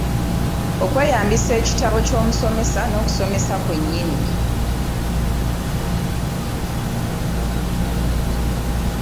Okweyambisa ekitabo ky'omusomesa n'okusomesa kwennyini.